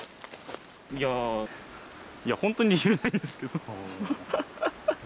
いや本当に理由はないんですけど。